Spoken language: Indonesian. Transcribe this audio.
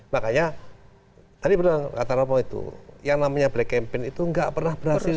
makanya tadi pernah kata ropo itu yang namanya black campaign itu enggak pernah berhasil